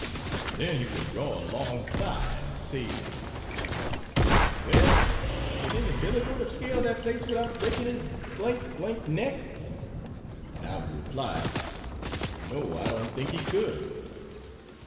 Then he would draw a long sigh, and say: "Well could any Billygoat have scaled that place without breaking his neck?" And I would reply, "No, I don't think he could."